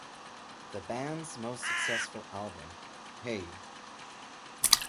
The band's most successful album - Hey!